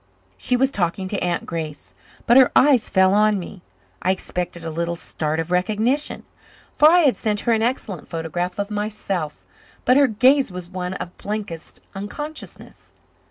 She was talking to Aunt Grace; but her eyes fell on me. I expected a little start of recognition, for I had sent her an excellent photograph of myself; but her gaze was one of blankest unconsciousness.